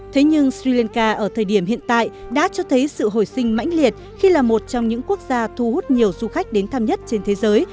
thế nhưng sri lanka ở thời điểm hiện tại đã cho thấy sự hồi sinh mãnh liệt khi là một trong những quốc gia thu hút nhiều du khách đến thăm nhất trên thế giới